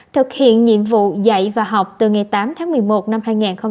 thực hiện nhiệm vụ dạy và học từ ngày tám tháng một mươi một năm hai nghìn hai mươi